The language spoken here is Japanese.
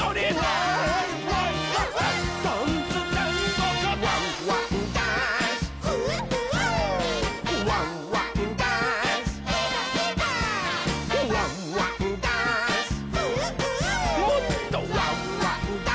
「もっと」「ワンワンダンス！」